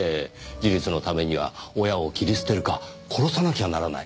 自立のためには親を切り捨てるか殺さなきゃならない。